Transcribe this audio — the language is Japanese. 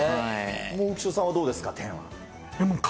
浮所さんはどうですか？